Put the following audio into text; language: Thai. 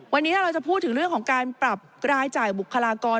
วันนี้ถ้าเราจะพูดถึงเรื่องของการปรับรายจ่ายบุคลากร